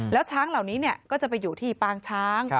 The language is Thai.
แล้วช้างเหล่านี้ก็จะไปอยู่ที่ปางช้าง